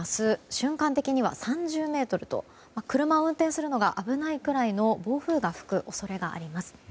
瞬間的には３０メートルと車を運転するのが危ないくらいの暴風が吹く恐れがあります。